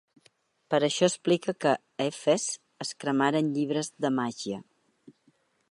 Per això explica que a Efes es cremaren llibres de màgia.